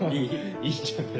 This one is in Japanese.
いいじゃない。